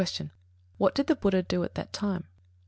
_What did the Buddha do at that time?